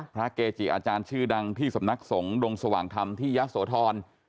เกจิอาจารย์ชื่อดังที่สำนักสงฆ์ดงสว่างธรรมที่ยะโสธร